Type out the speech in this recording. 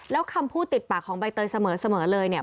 แล้วคำพูดติดปากของใบเตยเสมอเลยเนี่ย